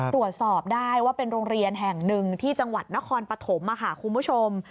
ตรวจสอบได้ว่าเป็นโรงเรียนแห่งหนึ่งที่จังหวัดนครปฐมคุณผู้ชม